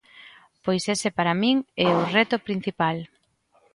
Pois ese para min é o reto principal.